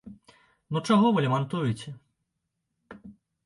Ну чаго вы лямантуеце?